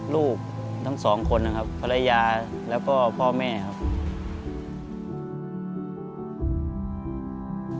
ลูกทั้งสองคนนะครับภรรยาแล้วก็พ่อแม่ครับ